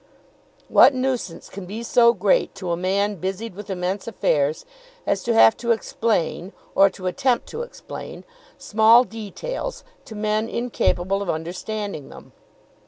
What nuisance can be so great to a man busied with immense affairs, as to have to explain, or to attempt to explain, small details to men incapable of understanding them?